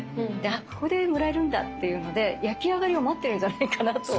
「あっここでもらえるんだ」っていうので焼き上がりを待ってるんじゃないかなと。